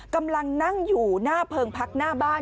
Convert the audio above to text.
กำลังนั่งอยู่หน้าเพิงพักหน้าบ้าน